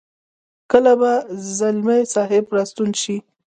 کله به ځلمی صاحب را ستون شي.